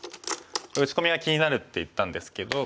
打ち込みが気になるって言ったんですけど。